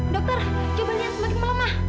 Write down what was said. dokter cobalah semakin melemah